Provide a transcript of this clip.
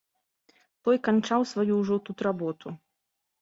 Той канчаў сваю ўжо тут работу.